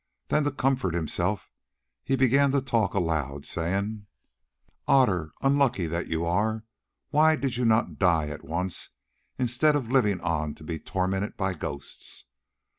Then to comfort himself he began to talk aloud saying: "Otter, unlucky that you are, why did you not die at once instead of living on to be tormented by ghosts?